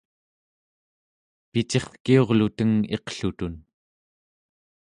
picirkiurluteng iqlutun